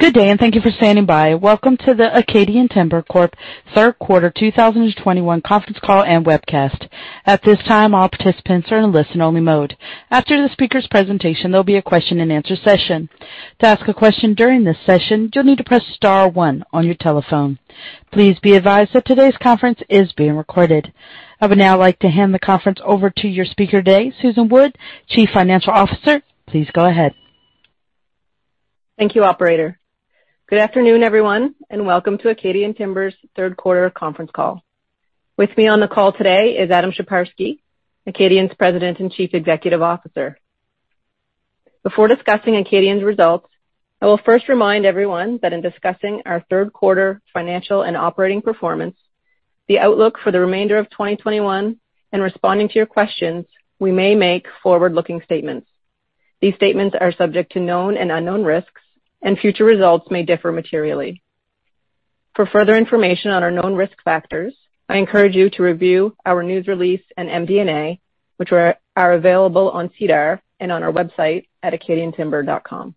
Good day, and thank you for standing by. Welcome to the Acadian Timber Corp. Q3 2021 conference call and webcast. At this time, all participants are in listen-only mode. After the speaker's presentation, there'll be a question-and-answer session. To ask a question during this session, you'll need to press star one on your telephone. Please be advised that today's conference is being recorded. I would now like to hand the conference over to your speaker today, Susan Wood, Chief Financial Officer. Please go ahead. Thank you, operator. Good afternoon, everyone, and welcome to Acadian Timber's third quarter conference call. With me on the call today is Adam Sheparski, Acadian's President and Chief Executive Officer. Before discussing Acadian's results, I will first remind everyone that in discussing our third quarter financial and operating performance, the outlook for the remainder of 2021, and responding to your questions, we may make forward-looking statements. These statements are subject to known and unknown risks, and future results may differ materially. For further information on our known risk factors, I encourage you to review our news release and MD&A, which are available on SEDAR and on our website at acadiantimber.com.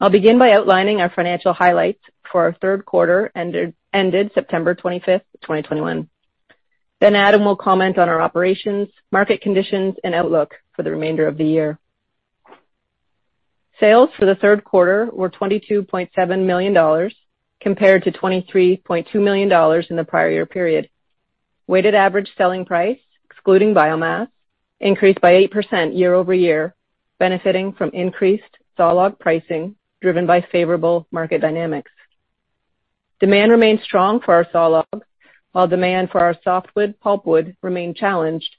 I'll begin by outlining our financial highlights for our third quarter ended September 25, 2021. Then Adam will comment on our operations, market conditions, and outlook for the remainder of the year. Sales for the third quarter were 22.7 million dollars compared to 23.2 million dollars in the prior year period. Weighted average selling price, excluding biomass, increased by 8% year-over-year, benefiting from increased sawlog pricing driven by favorable market dynamics. Demand remained strong for our sawlog, while demand for our softwood pulpwood remained challenged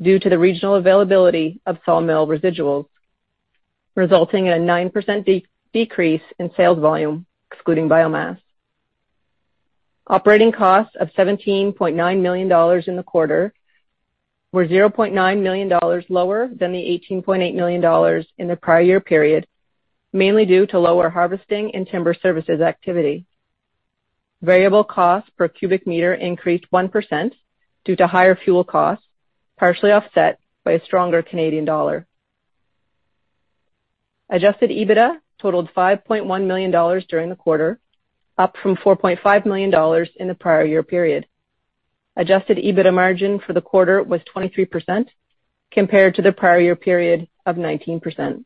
due to the regional availability of sawmill residuals, resulting in a 9% decrease in sales volume, excluding biomass. Operating costs of 17.9 million dollars in the quarter were 0.9 million dollars lower than the 18.8 million dollars in the prior year period, mainly due to lower harvesting and timber services activity. Variable costs per cubic meter increased 1% due to higher fuel costs, partially offset by a stronger Canadian dollar. Adjusted EBITDA totaled 5.1 million dollars during the quarter, up from 4.5 million dollars in the prior year period. Adjusted EBITDA margin for the quarter was 23% compared to the prior year period of 19%.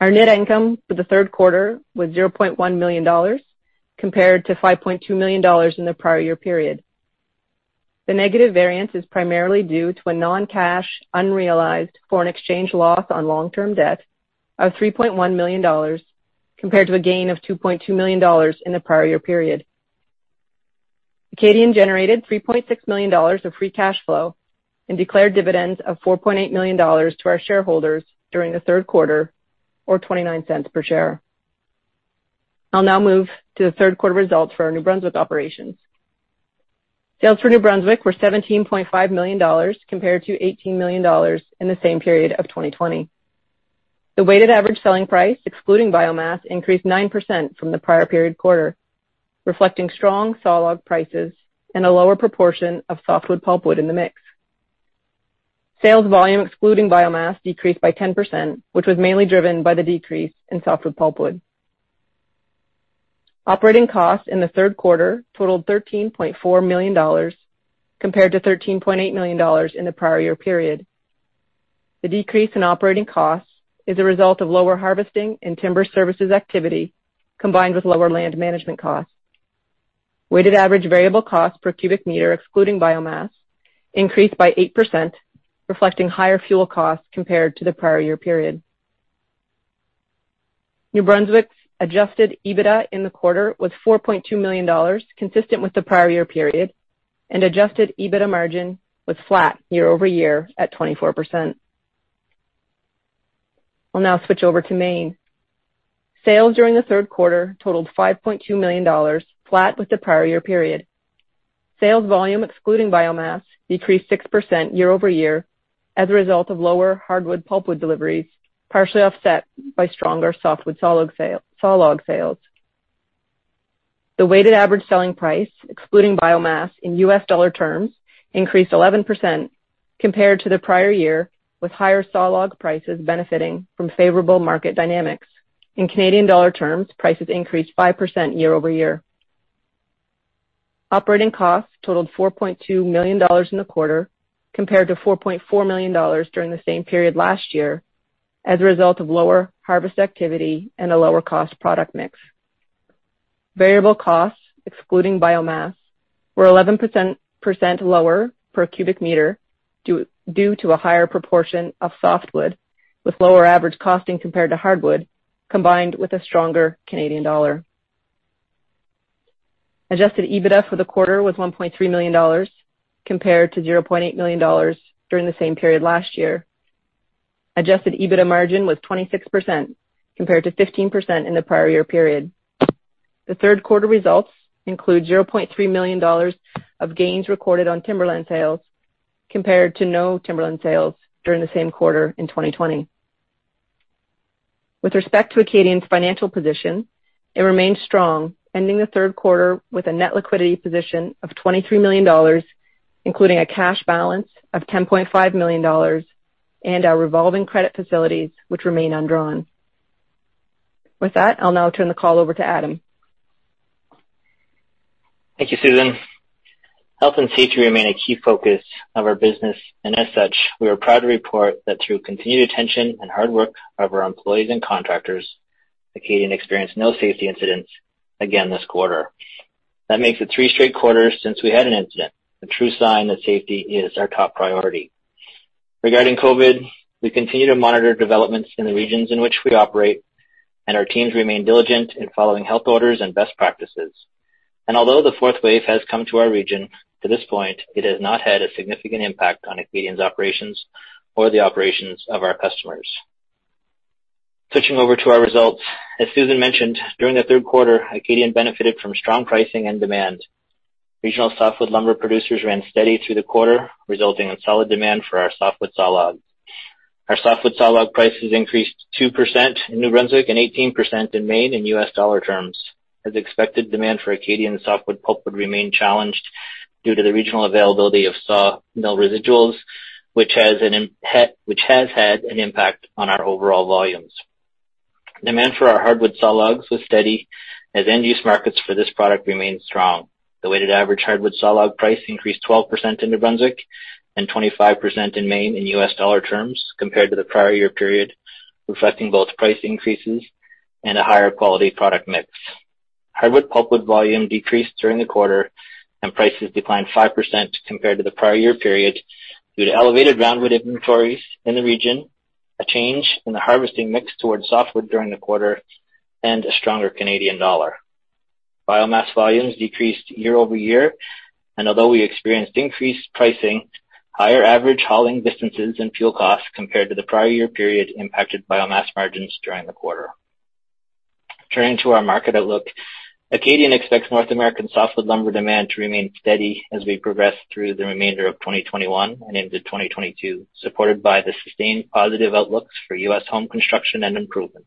Our net income for the third quarter was 0.1 million dollars compared to 5.2 million dollars in the prior year period. The negative variance is primarily due to a non-cash unrealized foreign exchange loss on long-term debt of 3.1 million dollars compared to a gain of 2.2 million dollars in the prior year period. Acadian generated 3.6 million dollars of free cash flow and declared dividends of 4.8 million dollars to our shareholders during the third quarter, or 0.29 per share. I'll now move to the third quarter results for our New Brunswick operations. Sales for New Brunswick were 17.5 million dollars compared to 18 million dollars in the same period of 2020. The weighted average selling price, excluding biomass, increased 9% from the prior period quarter, reflecting strong sawlog prices and a lower proportion of softwood pulpwood in the mix. Sales volume excluding biomass decreased by 10%, which was mainly driven by the decrease in softwood pulpwood. Operating costs in the third quarter totaled 13.4 million dollars compared to 13.8 million dollars in the prior year period. The decrease in operating costs is a result of lower harvesting and timber services activity combined with lower land management costs. Weighted average variable costs per cubic meter excluding biomass increased by 8%, reflecting higher fuel costs compared to the prior year period. New Brunswick's adjusted EBITDA in the quarter was 4.2 million dollars, consistent with the prior year period, and adjusted EBITDA margin was flat year-over-year at 24%. I'll now switch over to Maine. Sales during the third quarter totaled 5.2 million dollars, flat with the prior year period. Sales volume excluding biomass decreased 6% year-over-year as a result of lower hardwood pulpwood deliveries, partially offset by stronger softwood sawlog sales. The weighted average selling price, excluding biomass in U.S. dollar terms, increased 11% compared to the prior year with higher sawlog prices benefiting from favorable market dynamics. In Canadian dollar terms, prices increased 5% year-over-year. Operating costs totaled 4.2 million dollars in the quarter compared to 4.4 million dollars during the same period last year as a result of lower harvest activity and a lower cost product mix. Variable costs excluding biomass were 11% lower per cubic meter due to a higher proportion of softwood with lower average costing compared to hardwood, combined with a stronger Canadian dollar. Adjusted EBITDA for the quarter was 1.3 million dollars compared to 0.8 million dollars during the same period last year. Adjusted EBITDA margin was 26% compared to 15% in the prior year period. The third quarter results include 0.3 million dollars of gains recorded on timberland sales compared to no timberland sales during the same quarter in 2020. With respect to Acadian's financial position, it remains strong, ending the third quarter with a net liquidity position of 23 million dollars, including a cash balance of 10.5 million dollars and our revolving credit facilities, which remain undrawn. With that, I'll now turn the call over to Adam. Thank you, Susan. Health and safety remain a key focus of our business, and as such, we are proud to report that through continued attention and hard work of our employees and contractors, Acadian experienced no safety incidents again this quarter. That makes it three straight quarters since we had an incident, a true sign that safety is our top priority. Regarding COVID, we continue to monitor developments in the regions in which we operate, and our teams remain diligent in following health orders and best practices. Although the fourth wave has come to our region, to this point, it has not had a significant impact on Acadian's operations or the operations of our customers. Switching over to our results. As Susan mentioned, during the third quarter, Acadian benefited from strong pricing and demand. Regional softwood lumber producers ran steady through the quarter, resulting in solid demand for our softwood sawlogs. Our softwood sawlog prices increased 2% in New Brunswick and 18% in Maine in U.S. dollar terms. As expected, demand for Acadian softwood pulpwood would remain challenged due to the regional availability of sawmill residuals, which has had an impact on our overall volumes. Demand for our hardwood sawlogs was steady as end-use markets for this product remained strong. The weighted average hardwood sawlog price increased 12% in New Brunswick and 25% in Maine in U.S. dollar terms compared to the prior year period, reflecting both price increases and a higher quality product mix. Hardwood pulpwood volume decreased during the quarter, and prices declined 5% compared to the prior year period due to elevated roundwood inventories in the region, a change in the harvesting mix towards softwood during the quarter, and a stronger Canadian dollar. Biomass volumes decreased year-over-year, and although we experienced increased pricing, higher average hauling distances and fuel costs compared to the prior year period impacted biomass margins during the quarter. Turning to our market outlook. Acadian expects North American softwood lumber demand to remain steady as we progress through the remainder of 2021 and into 2022, supported by the sustained positive outlooks for U.S. home construction and improvement.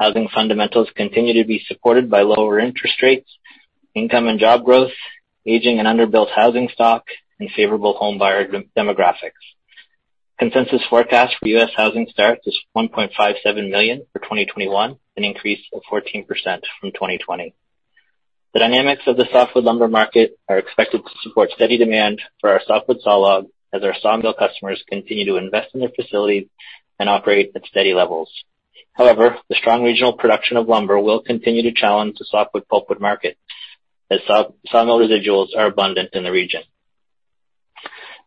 Housing fundamentals continue to be supported by lower interest rates, income and job growth, aging and under-built housing stock, and favorable home buyer demographics. Consensus forecast for U.S. housing starts is 1.57 million for 2021, an increase of 14% from 2020. The dynamics of the softwood lumber market are expected to support steady demand for our softwood sawlogs as our sawmill customers continue to invest in their facilities and operate at steady levels. However, the strong regional production of lumber will continue to challenge the softwood pulpwood market as sawmill residuals are abundant in the region.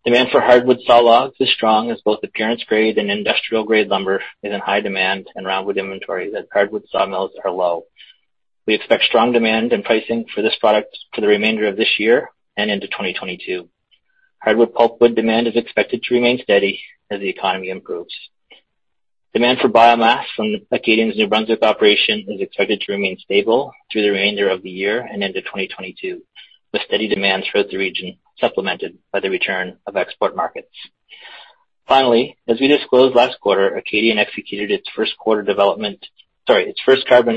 Demand for hardwood sawlogs is strong as both appearance grade and industrial-grade lumber is in high demand and round wood inventories at hardwood sawmills are low. We expect strong demand and pricing for this product for the remainder of this year and into 2022. Hardwood pulpwood demand is expected to remain steady as the economy improves. Demand for biomass from Acadian's New Brunswick operation is expected to remain stable through the remainder of the year and into 2022, with steady demand throughout the region, supplemented by the return of export markets. Finally, as we disclosed last quarter, Acadian executed its first carbon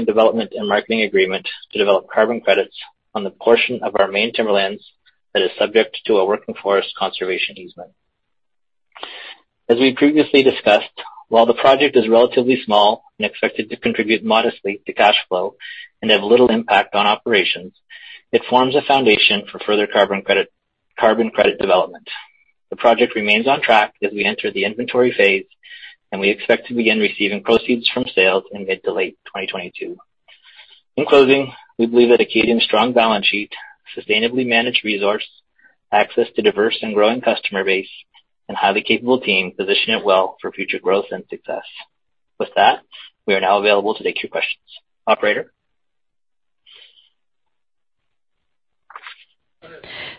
development and marketing agreement to develop carbon credits on the portion of our Maine timberlands that is subject to a working forest conservation easement. As we previously discussed, while the project is relatively small and expected to contribute modestly to cash flow and have little impact on operations, it forms a foundation for further carbon credit development. The project remains on track as we enter the inventory phase, and we expect to begin receiving proceeds from sales in mid- to late 2022. In closing, we believe that Acadian's strong balance sheet, sustainably managed resource, access to diverse and growing customer base, and highly capable team position it well for future growth and success. With that, we are now available to take your questions. Operator?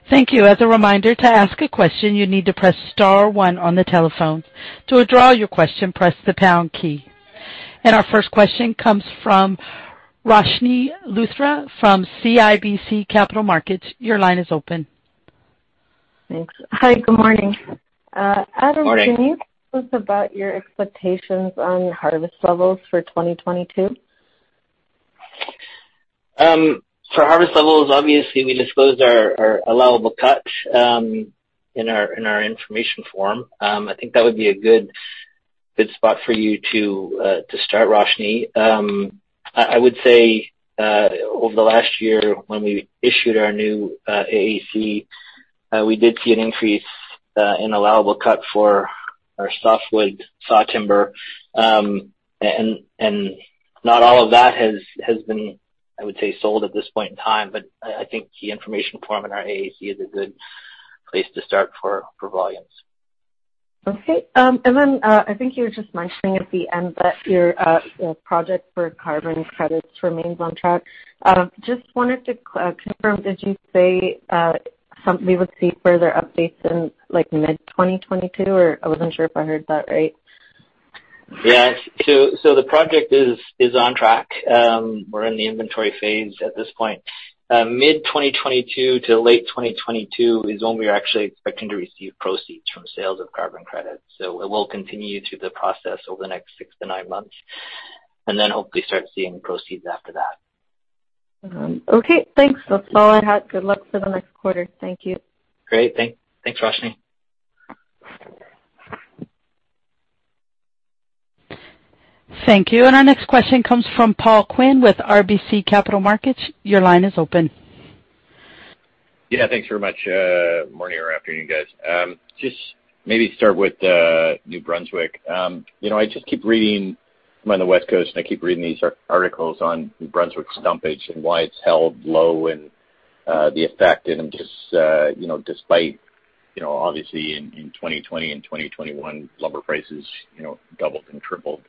Thank you. As a reminder, to ask a question, you need to press star one on the telephone. To withdraw your question, press the pound key. Our first question comes from Roshni Luthra from CIBC Capital Markets. Your line is open. Thanks. Hi, good morning. Morning. Adam, can you tell us about your expectations on harvest levels for 2022? For harvest levels, obviously, we disclosed our allowable cuts in our information form. I think that would be a good spot for you to start, Roshni. I would say over the last year when we issued our new AAC, we did see an increase in allowable cut for our softwood saw timber. Not all of that has been, I would say, sold at this point in time, but I think the information form in our AAC is a good place to start for volumes. Okay. I think you were just mentioning at the end that your project for carbon credits remains on track. Just wanted to confirm, did you say we would see further updates in like mid-2022, or I wasn't sure if I heard that right. Yeah. The project is on track. We're in the inventory phase at this point. Mid-2022 to late 2022 is when we are actually expecting to receive proceeds from sales of carbon credits. It will continue through the process over the next six to nine months, and then hopefully start seeing proceeds after that. Okay, thanks. That's all I had. Good luck for the next quarter. Thank you. Great. Thanks, Roshni. Thank you. Our next question comes from Paul Quinn with RBC Capital Markets. Your line is open. Yeah, thanks very much. Morning or afternoon, guys. Just maybe start with New Brunswick. You know, I just keep reading. I'm on the West Coast, and I keep reading these articles on New Brunswick stumpage and why it's held low and the effect. Just, you know, despite, you know, obviously in 2020 and 2021, lumber prices, you know, doubled and tripled,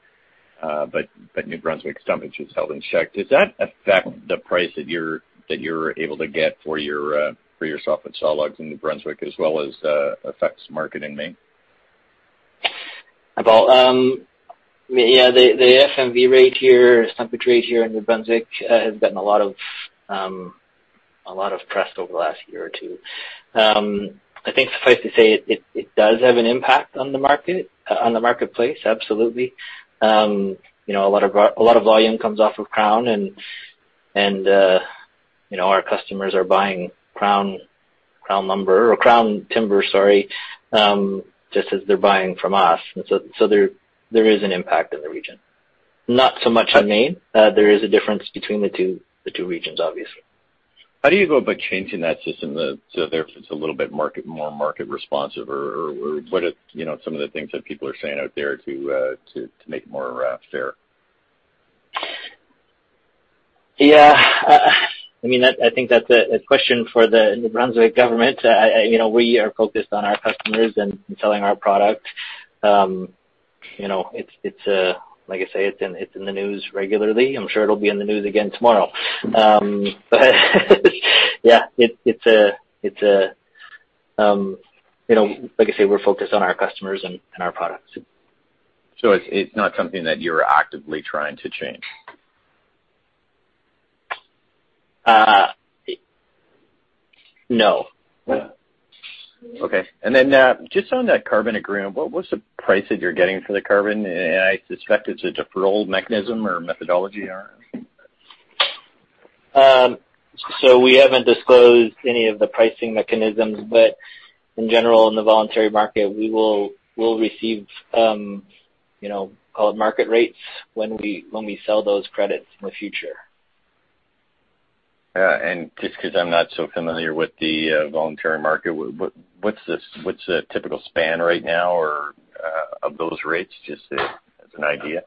but New Brunswick stumpage was held in check. Does that affect the price that you're able to get for your softwood sawlogs in New Brunswick as well as affects market in Maine? Hi, Paul. Yeah, the FMV rate here, stumpage rate here in New Brunswick, has gotten a lot of press over the last year or two. I think suffice it to say, it does have an impact on the market, on the marketplace, absolutely. A lot of volume comes off of Crown and our customers are buying Crown lumber or Crown timber just as they're buying from us. There is an impact in the region. Not so much on Maine. There is a difference between the two regions, obviously. How do you go about changing that system so there it's a little bit market, more market responsive or what are, you know, some of the things that people are saying out there to make it more fair? Yeah. I mean, I think that's a question for the New Brunswick government. You know, we are focused on our customers and selling our product. You know, it's like I say, it's in the news regularly. I'm sure it'll be in the news again tomorrow. Yeah, it's a, you know, like I say, we're focused on our customers and our products. It's not something that you're actively trying to change? No. Okay. Just on that carbon agreement, what's the price that you're getting for the carbon? I suspect it's a deferral mechanism or methodology or. We haven't disclosed any of the pricing mechanisms. In general, in the voluntary market, we'll receive, you know, call it market rates when we sell those credits in the future. Just 'cause I'm not so familiar with the voluntary market, what's a typical span right now or of those rates, just as an idea?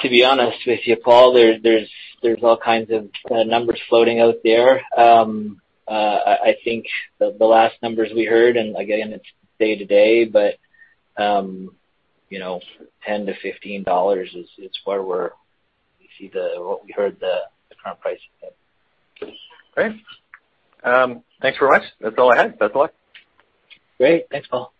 To be honest with you, Paul, there's all kinds of numbers floating out there. I think the last numbers we heard, and again, it's day to day, but you know, 10-15 dollars is what we heard the current pricing at. Great. Thanks very much. That's all I had. Best of luck. Great. Thanks, Paul.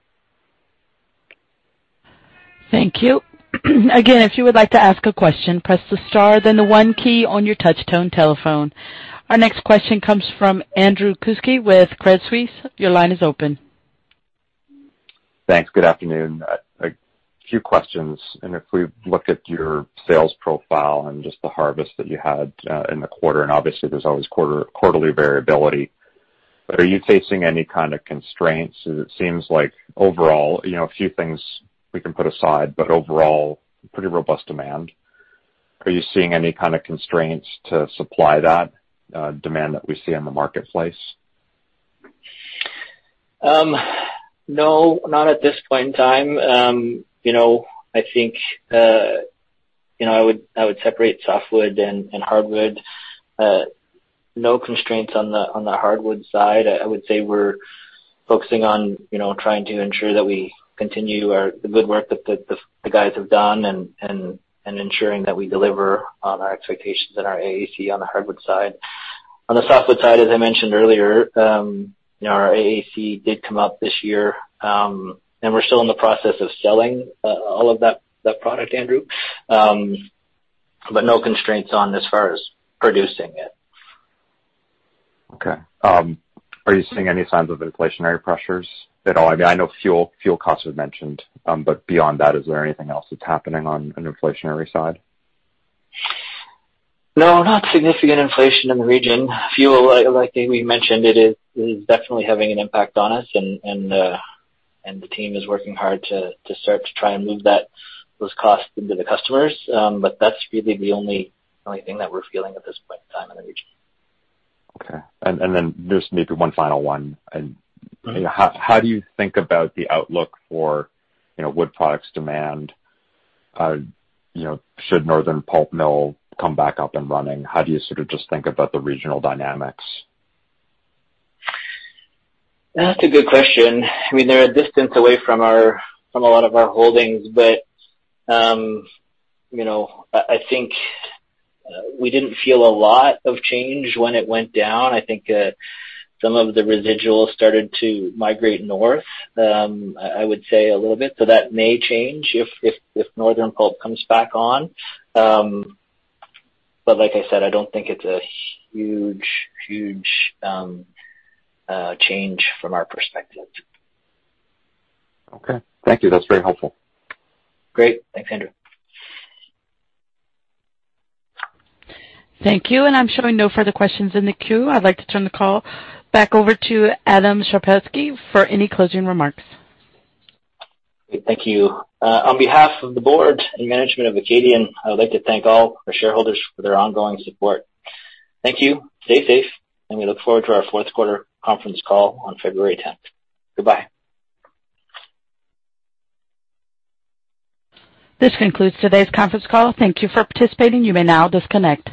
Thank you. Again, if you would like to ask a question, press the star then the one key on your touch tone telephone. Our next question comes from Andrew Kuske with Credit Suisse. Your line is open. Thanks. Good afternoon. A few questions. If we look at your sales profile and just the harvest that you had in the quarter, and obviously there's always quarterly variability, but are you facing any kind of constraints? It seems like overall, you know, a few things we can put aside, but overall, pretty robust demand. Are you seeing any kind of constraints to supply that demand that we see in the marketplace? No, not at this point in time. You know, I think, you know, I would separate softwood and hardwood. No constraints on the hardwood side. I would say we're focusing on, you know, trying to ensure that we continue the good work that the guys have done and ensuring that we deliver on our expectations and our AAC on the hardwood side. On the softwood side, as I mentioned earlier, you know, our AAC did come up this year, and we're still in the process of selling all of that product, Andrew. No constraints as far as producing it. Okay. Are you seeing any signs of inflationary pressures at all? I mean, I know fuel costs were mentioned, but beyond that, is there anything else that's happening on an inflationary side? No, not significant inflation in the region. Fuel, like we mentioned, it is definitely having an impact on us and the team is working hard to start to try and move those costs into the customers. But that's really the only thing that we're feeling at this point in time in the region. Okay. Just maybe one final one. You know, how do you think about the outlook for, you know, wood products demand? You know, should Northern Pulp mill come back up and running, how do you sort of just think about the regional dynamics? That's a good question. I mean, they're a distance away from a lot of our holdings, but you know, I think we didn't feel a lot of change when it went down. I think some of the residuals started to migrate north. I would say a little bit. That may change if Northern Pulp comes back on. But like I said, I don't think it's a huge change from our perspective. Okay. Thank you. That's very helpful. Great. Thanks, Andrew. Thank you. I'm showing no further questions in the queue. I'd like to turn the call back over to Adam Sheparski for any closing remarks. Thank you. On behalf of the board and management of Acadian, I would like to thank all our shareholders for their ongoing support. Thank you. Stay safe, and we look forward to our fourth quarter conference call on February tenth. Goodbye. This concludes today's conference call. Thank you for participating. You may now disconnect.